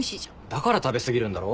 だから食べ過ぎるんだろ？